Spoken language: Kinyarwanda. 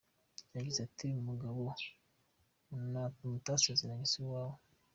Yagize ati “Umugabo mutasezeranye si uwawe.